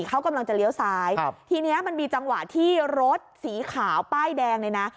เขากำลังจะเลี้ยวซ้ายครับทีนี้มันมีจังหวะที่รถสีขาวป้ายแดงเลยนะ